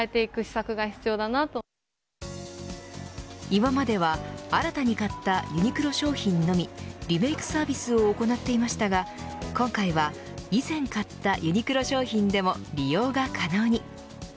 今までは新たに買ったユニクロ商品のみリメークサービスを行っていましたが今回は以前買ったユニクロ商品でも利用が可能に。